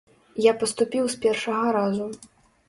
Я паступіў з першага разу.